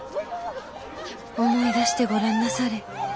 思い出してごらんなされ。